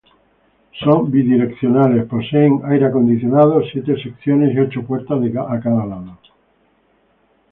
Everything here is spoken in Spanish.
Son bidireccionales, poseen aire acondicionado, siete secciones y ocho puertas de cada lado.